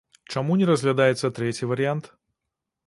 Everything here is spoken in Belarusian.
Чаму не разглядаецца трэці варыянт?